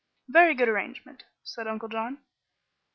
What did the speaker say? "Very good arrangement," said Uncle John.